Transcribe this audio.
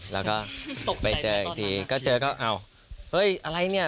แล้วก็ไปเจออีกทีก็เจอก็อ้าวเฮ้ยอะไรเนี่ย